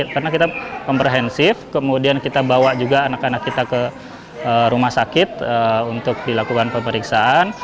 karena kita komprehensif kemudian kita bawa juga anak anak kita ke rumah sakit untuk dilakukan pemeriksaan